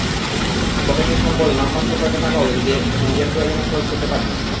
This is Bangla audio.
পকেটের সম্বল নামমাত্র কয়টা টাকাও ঈদে নিজের প্রয়োজনে খরচ করতে পারি না।